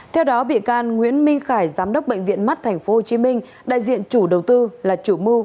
theo đó bị can nguyễn minh khải giám đốc bệnh viện mắt tp hcm đại diện chủ đầu tư là chủ mưu